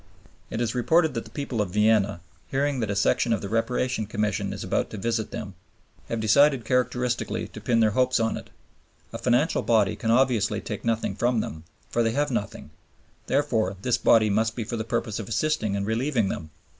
It is reported that the people of Vienna, hearing that a section of the Reparation Commission is about to visit them, have decided characteristically to pin their hopes on it. A financial body can obviously take nothing from them, for they have nothing; therefore this body must be for the purpose of assisting and relieving them.